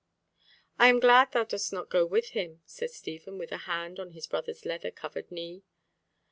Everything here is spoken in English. "I am glad thou dost not go with him," said Stephen, with a hand on his brother's leather covered knee.